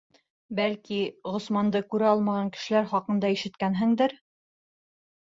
Бәлки, Ғосманды күрә алмаған кешеләр хаҡында ишеткәнһеңдер?